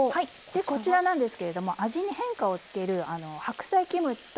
こちらなんですけれども味に変化をつける白菜キムチとクリームチーズです。